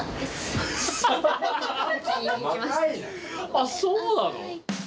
あっそうなの？